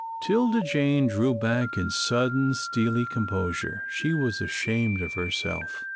'Tilda Jane drew back in sudden, steely composure. She was ashamed of herself.